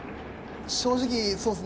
正直そうですね。